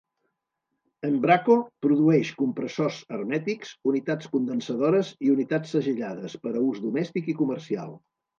Embraco produeix compressors hermètics, unitats condensadores i unitats segellades, per a ús domèstic i comercial.